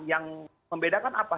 yang membedakan apa